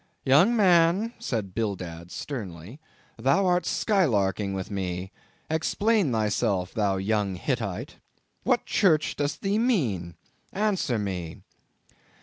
"Young man," said Bildad sternly, "thou art skylarking with me—explain thyself, thou young Hittite. What church dost thee mean? answer me."